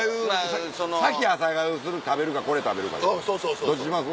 先朝粥すぐ食べるかこれ食べるかどっちにします？